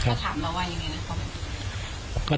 เขาถามเราว่ายังไงนะครับ